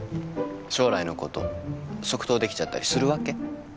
将来のこと即答できちゃったりするわけ？